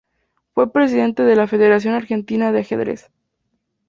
Fue Presidente de la Federación Argentina de Ajedrez.